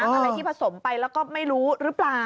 อะไรที่ผสมไปแล้วก็ไม่รู้หรือเปล่า